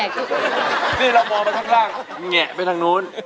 นี่เรามองไปข้างล่างแงะไปทางนู้น